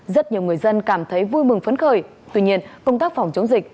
rất nhiều người dân cảm thấy vui mừng phấn khởi tuy nhiên công tác phòng chống dịch